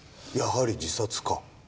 やはり自殺か。